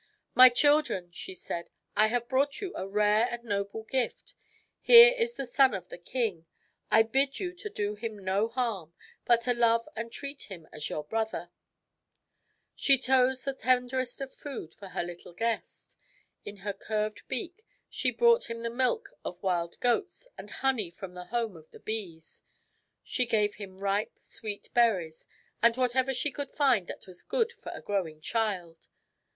" My children," she said, " I have brought you a rare and noble gift. Here is the son of the king. I bid you to do him no harm, but to love and treat him as your brother." 220 THIRTY MORE FAMOUS STORIES She chose the tenderest of food for her little guest. In her curved beak she brought him the milk of wild goats and honey from the home of the bees. She gave him ripe, sweet berries and what ever she could find that was good for a growing child.